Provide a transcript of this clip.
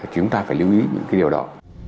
chúng ta phải lưu ý những cái điều đó